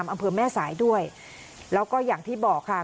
อำเภอแม่สายด้วยแล้วก็อย่างที่บอกค่ะ